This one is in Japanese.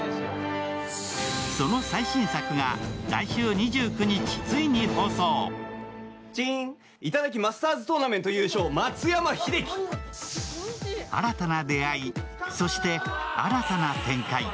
その最新作が来週２９日、ついに放送新たな出会い、そして新たな展開